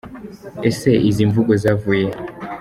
Ese izi mvugo zavuye he ?.